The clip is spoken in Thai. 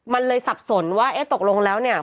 มันเลยสับสนว่าเอ๊ะตกลงแล้วเนี่ย